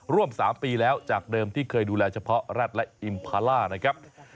ร่วม๓ปีแล้วจากเดิมที่เคยดูแลเฉพาะรัฐและอิมพาล่านะครับ